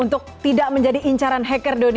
untuk tidak menjadi incaran hacker